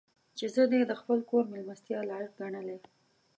چې زه دې د خپل کور مېلمستیا لایق ګڼلی.